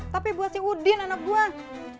tapi buat si udin anak buah